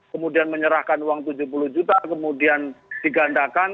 kemudian menyerahkan uang tujuh puluh juta kemudian digandakan